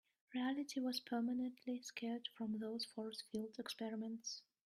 Reality was permanently scarred from those force field experiments.